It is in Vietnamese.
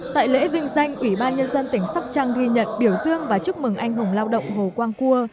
tại lễ vinh danh ủy ban nhân dân tỉnh sóc trăng ghi nhận biểu dương và chúc mừng anh hùng lao động hồ quang cua